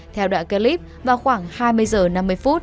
theo đoạn clip vào khoảng hai mươi h một mươi năm